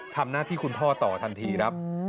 ทำหน้าที่คุณพ่อต่อทันทีครับ